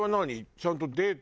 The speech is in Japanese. ちゃんと。